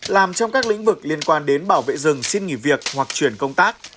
làm trong các lĩnh vực liên quan đến bảo vệ rừng xin nghỉ việc hoặc chuyển công tác